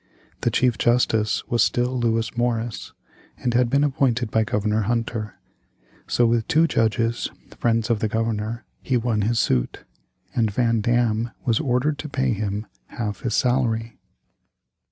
The Chief Justice was still Lewis Morris, who had been appointed by Governor Hunter. So with two judges, friends of the Governor, he won his suit, and Van Dam was ordered to pay him half his salary.